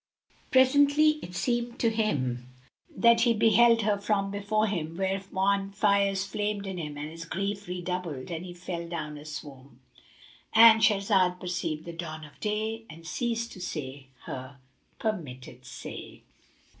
Presently, it seemed to him he beheld her form before him, whereupon fires flamed in him and his griefs redoubled and he fell down aswoon;—And Shahrazad perceived the dawn of day and ceased to say her permitted say.